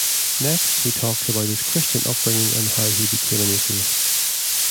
Next, he talks about his Christian upbringing and how he became an atheist.